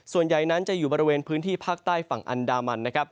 ส่วนใหญ่นั้นจะอยู่บริเวณพื้นที่ภาคใต้ฝั่งอันดามันนะครับ